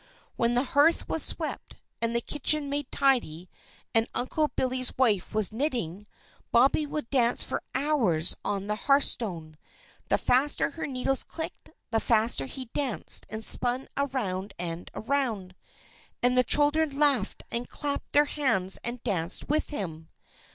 When the hearth was swept, and the kitchen made tidy, and Uncle Billy's wife was knitting, Bobby would dance for hours on the hearthstone. The faster her needles clicked, the faster he danced and spun around and around. And the children laughed and clapped their hands, and danced with him.